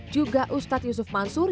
juga ustadz yusuf mansur